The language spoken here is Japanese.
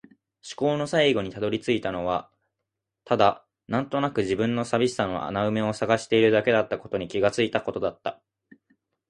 思考の最後に辿り着いたのはただ、なんとなくの自分の寂しさの穴埋めを探しているだけだったことに気がついたことだった。